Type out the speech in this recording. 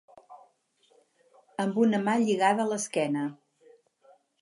Amb una mà lligada a l'esquena.